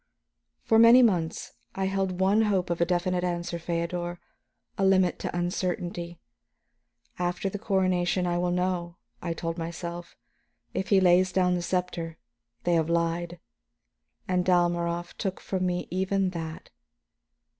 "For many months I had held one hope of a definite answer, Feodor, a limit to uncertainty. 'After the coronation I will know,' I told myself. 'If he lays down the scepter, they have lied.' And Dalmorov took from me even that.